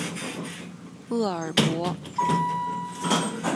厄尔伯。